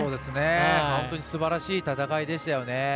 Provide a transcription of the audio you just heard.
本当にすばらしい戦いでしたよね。